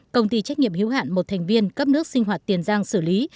công ty trách nhiệm hiếu hạn một thành viên cấp nước sinh hoạt tiền giang xử lý